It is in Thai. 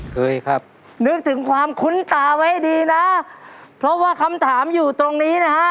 เคยครับนึกถึงความคุ้นตาไว้ดีนะเพราะว่าคำถามอยู่ตรงนี้นะฮะ